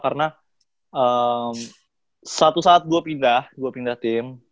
karena satu saat gue pindah gue pindah tim